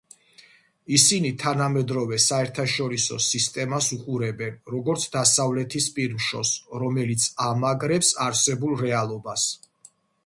ისინი თანამედროვე საერთაშორისო სისტემას უყურებენ, როგორც დასავლეთის პირმშოს, რომელიც ამაგრებს არსებულ რეალობას.